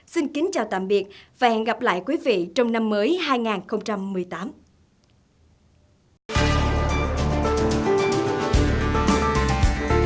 xin kính chào tạm biệt và hẹn gặp lại quý vị trong năm mới hai nghìn một mươi tám